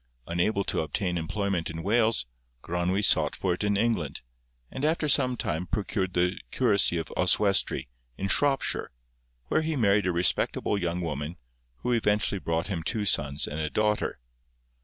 Unable to obtain employment in Wales, Gronwy sought for it in England, and after some time procured the curacy of Oswestry, in Shropshire, where he married a respectable young woman, who eventually brought him two sons and a daughter.